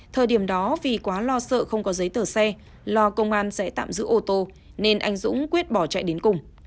thời điểm đó vì quá lo sợ không có giấy tờ xe lo công an sẽ tạm giữ ô tô nên anh dũng quyết bỏ chạy đến cùng